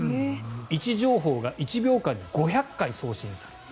位置情報が１秒間に５００回送信される。